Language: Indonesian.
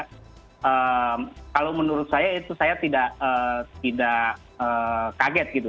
kalau menurut saya itu saya tidak kaget gitu